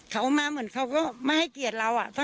เขามาเหมือนเขาก็ไม่ให้เกียรติเรา